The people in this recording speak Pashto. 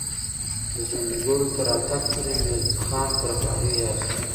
د ځونډي ګل تر راتګ پورې مې خان قره باغي یاد شو.